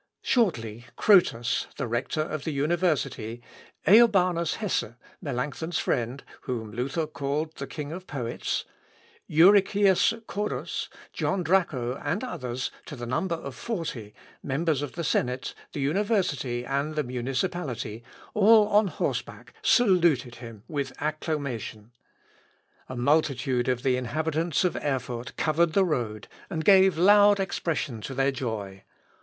Shortly Crotus, the rector of the university, Eobanus Hesse, Melancthon's friend, whom Luther called the king of poets, Euricius Cordus, John Draco, and others, to the number of forty, members of the senate, the university, and the municipality, all on horseback, saluted him with acclamation. A multitude of the inhabitants of Erfurt covered the road, and gave loud expression to their joy.